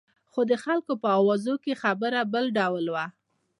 خو د خلکو په اوازو کې خبره بل ډول وه.